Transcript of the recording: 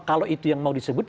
kalau itu yang mau disebut